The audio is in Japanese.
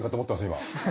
今。